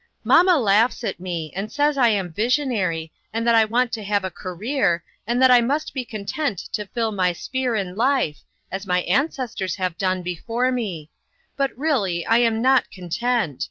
"Mamma laughs at me, and says I am visionary, and that I want to have a career, and that I must be content to fill my sphere in life, as my ancestors have done before me ; but really I am not content.